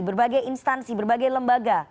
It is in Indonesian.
berbagai instansi berbagai lembaga